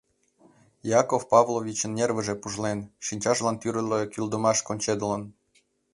Яков Павловичын нервыже пужлен, шинчажлан тӱрлӧ кӱлдымаш кончедылын.